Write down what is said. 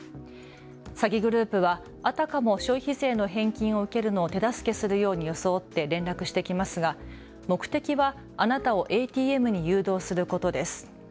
詐欺グループはあたかも消費税の返金を受けるのを手助けするように装って連絡してきますが目的はあなたをＡＴＭに誘導することです。